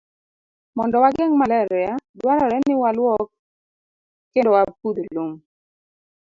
Mondo wageng' malaria, dwarore ni walwok kendo wapudh lum.